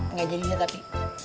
nggak jadi dia tapi